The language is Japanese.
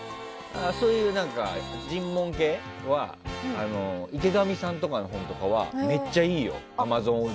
そういう人文系は池上さんとかの本とかはめっちゃいいよ。